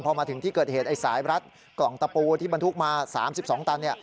พอมาถึงที่เกิดเหตุไอ้สายรัดกล่องตะปูที่บรรทุกมา๓๒ตัน